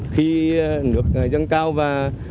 khi nước dâng cao và